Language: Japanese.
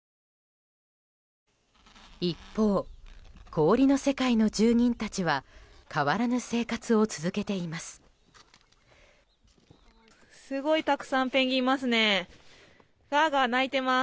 一方、氷の世界の住人たちは変わらぬ生活を続けています。